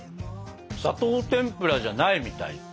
砂糖てんぷらじゃないみたい。